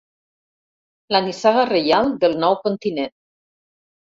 La nissaga reial del nou continent.